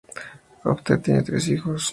Hofer tiene tres hijos.